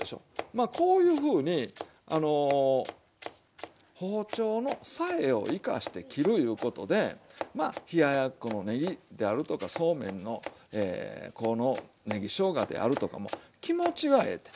まあこういうふうにあの包丁のさえを生かして切るいうことでまあ冷ややっこのねぎであるとかそうめんのこのねぎしょうがであるとかも気持ちがええて。